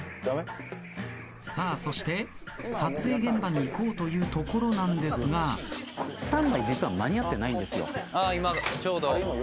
さあそして撮影現場に行こうというところなんですがスタンバイ実は間に合ってないんですよ。